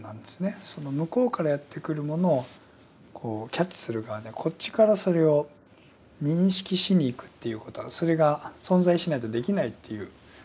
その向こうからやってくるものをキャッチする側でこっちからそれを認識しにいくということはそれが存在しないとできないということですよね。